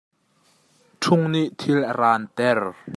Thung nih thil a ran ter.